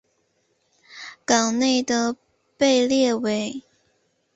港内的被列为。